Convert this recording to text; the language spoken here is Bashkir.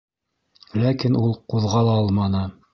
Ләкин ул ҡуҙғала алманы.